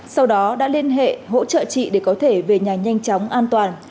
sau đó đã liên hệ hỗ trợ chị để có thể về nhà nhanh chóng an toàn